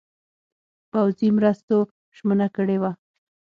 پوځي مرستو ژمنه کړې وه.